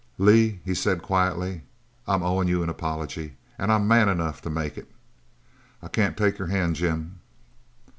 "Lee," he said quietly, "I'm owin' you an apology an' I'm man enough to make it." "I can't take your hand, Jim."